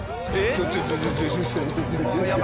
ちょちょちょ。